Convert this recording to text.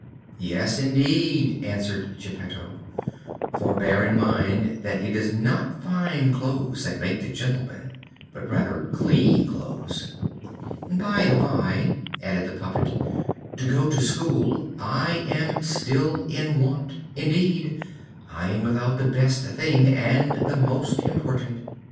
"Yes, indeed," answered Geppetto, "for bear in mind that it is not fine clothes that make the gentleman, but rather clean clothes." "By the bye," added the puppet, "to go to school I am still in want indeed, I am without the best thing, and the most important."